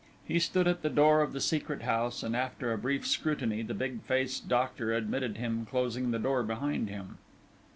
He stood at the door of the Secret House, and after a brief scrutiny the big faced doctor admitted him, closing the door behind him.